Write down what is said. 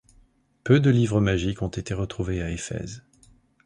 Peu de livres magiques ont été retrouvés à Éphèse.